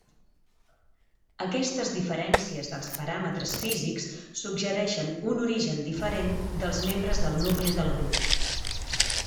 Aquestes diferències dels paràmetres físics suggereixen un origen diferent dels membres del nucli del grup.